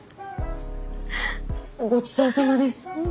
ごちそうさまです。